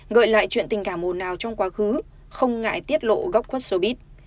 gợi lại chuyện tình cảm ồn ào trong quá khứ không ngại tiết lộ góc quất showbiz